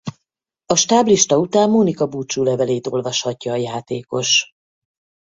A stáblista után Monika búcsúlevelét olvashatja a játékos.